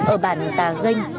ở bản tà ganh